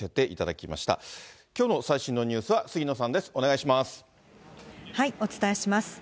きょうの最新のニュースは杉野さお伝えします。